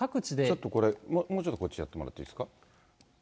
ちょっともうちょっとこっちやってもらっていいですか。